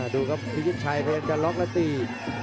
ดูครับพิชิชัยเตรียมจะตี